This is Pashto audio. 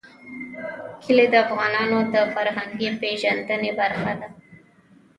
کلي د افغانانو د فرهنګي پیژندنې برخه ده.